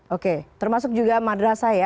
oke termasuk juga madrasah ya